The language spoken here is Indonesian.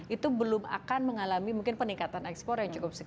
itu belum akan mengalami mungkin peningkatan ekspor yang cukup signifikan